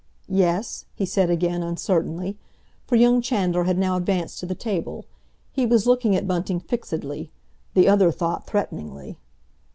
"Yes?" he said again uncertainly; for young Chandler had now advanced to the table, he was looking at Bunting fixedly—the other thought threateningly.